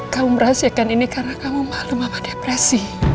kamu merahsiakan ini karena kamu malu mama depresi